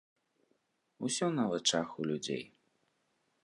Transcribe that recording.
Усё на вачах у людзей.